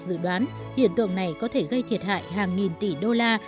dự đoán hiện tượng này có thể gây thiệt hại hàng nghìn tỷ đô la